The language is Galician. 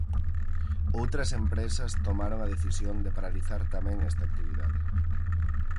Outras empresas tomaron a decisión de paralizar tamén esta actividade.